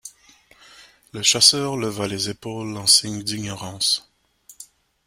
Le chasseur leva les épaules en signe d’ignorance.